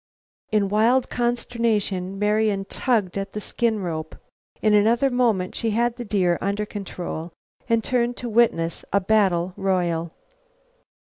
In wild consternation Marian tugged at the skin rope. In another moment she had the deer under control and turned to witness a battle royal.